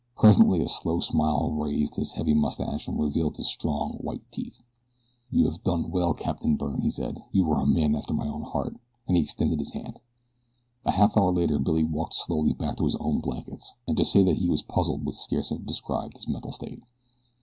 Presently a slow smile raised his heavy mustache and revealed his strong, white teeth. "You have done well, Captain Byrne," he said. "You are a man after my own heart," and he extended his hand. A half hour later Billy walked slowly back to his own blankets, and to say that he was puzzled would scarce have described his mental state.